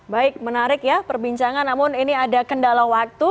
baik menarik ya perbincangan namun ini ada kendala waktu